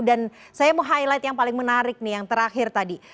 dan saya mau highlight yang paling menarik nih yang terakhir tadi